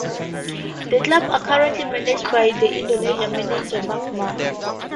The club are currently managed by the Indonesia manager Makmur.